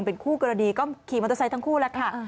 เป็นคู่กรณีก็ขี่มอเตอร์ไซค์ทั้งคู่แล้วค่ะ